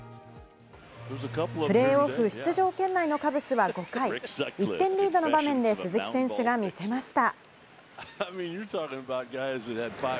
プレーオフ出場圏内のカブスは５回、１点リードの場面で鈴木選手が見せました。